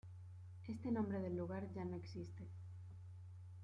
Este nombre del lugar ya no existe.